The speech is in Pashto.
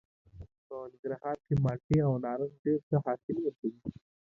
په ننګرهار کې مالټې او نارنج ډېر ښه حاصل ورکوي.